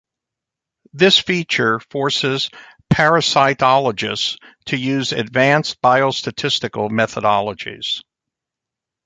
This feature forces parasitologists to use advanced biostatistical methodologies.